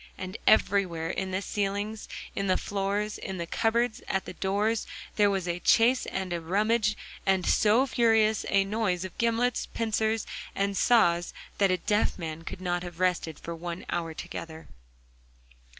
And everywhere, in the ceilings, in the floors, in the cupboards, at the doors, there was a chase and a rummage, and so furious a noise of gimlets, pincers, and saws, that a deaf man could not have rested for one hour together.